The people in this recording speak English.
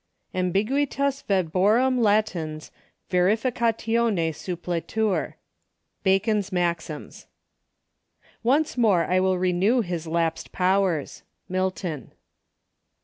44 Ambiguitas Verborum latens Verificatione sup pletur." — Bacon's Maxims, " Once more I will renew His lapsed powers."— Milton.